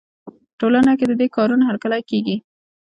په ټولنه کې د دې کارونو هرکلی کېږي.